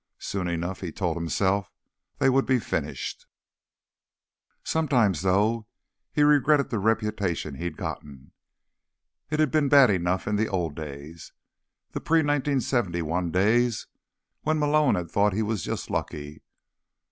Soon enough, he told himself, they would be finished. Sometimes, though, he regretted the reputation he'd gotten. It had been bad enough in the old days, the pre 1971 days when Malone had thought he was just lucky.